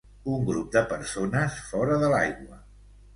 un grup de persones fora de l'aigua.